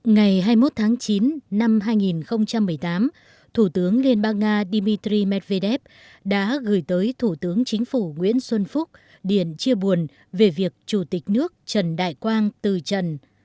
ngày hai mươi một tháng chín năm hai nghìn một mươi tám thủ tướng liên bang nga dmitry medvedev đã gửi tới thủ tướng chính phủ nguyễn xuân phúc điện chia buồn về việc chủ tịch nước trần đại quang từ trần